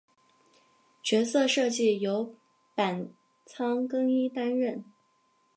角色设计由板仓耕一担当。